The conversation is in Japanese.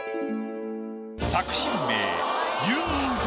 作品名。